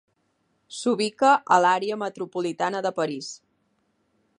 S'ubica a l'àrea metropolitana de París.